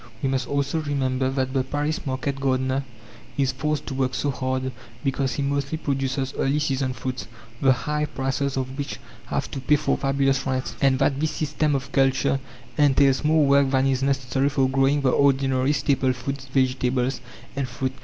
We must also remember that the Paris market gardener is forced to work so hard because he mostly produces early season fruits, the high prices of which have to pay for fabulous rents, and that this system of culture entails more work than is necessary for growing the ordinary staple food vegetables and fruit.